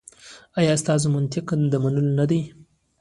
ایا ستاسو منطق د منلو نه دی؟